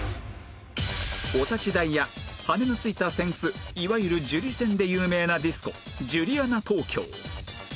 お立ち台や羽根のついた扇子いわゆるジュリ扇で有名なディスコジュリアナ東京